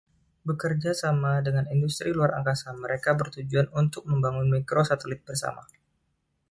Bekerja sama dengan industri luar angkasa mereka bertujuan untuk membangun mikro satelit bersama.